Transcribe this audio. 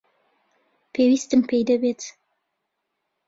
پێویستم پێی دەبێت.